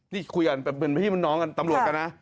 นี่คุยกันเป็นพี่เป็นน้องกันตำรวจกันนะ